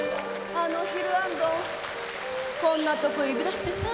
あの昼あんどんこんなとこ呼び出してさ。